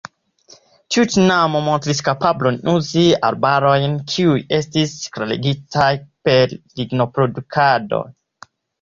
Tiu tinamo montris kapablon uzi arbarojn kiuj estis klarigitaj per lignoproduktado.